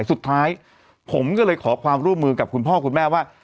สุดท้ายผมก็เลยขอความร่วมมือกับคุณพ่อคุณแม่ว่า